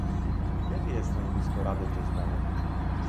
Jakie jest stanowisko Rady w tej sprawie